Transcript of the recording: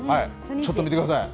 ちょっと見てください。